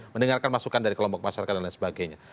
mendengarkan masukan dari kelompok masyarakat dan lain sebagainya